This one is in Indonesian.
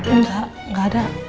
enggak gak ada